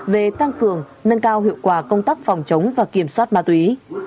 về tăng cường nâng cao hiệu quả công tác phòng chống và kiểm soát ma túy